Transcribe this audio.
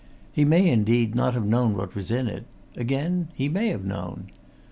He may, indeed, not have known what was in it again, he may have known.